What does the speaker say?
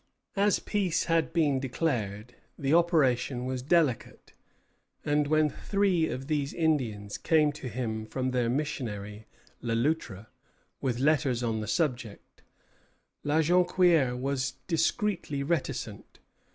As peace had been declared, the operation was delicate; and when three of these Indians came to him from their missionary, Le Loutre, with letters on the subject, La Jonquière was discreetly reticent.